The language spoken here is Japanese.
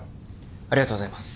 ありがとうございます。